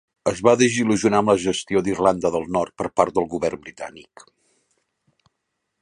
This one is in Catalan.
Es va desil·lusionar amb la gestió d'Irlanda del Nord per part del govern britànic.